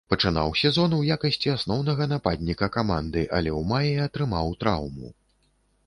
Пачынаў сезон у якасці асноўнага нападніка каманды, але ў маі атрымаў траўму.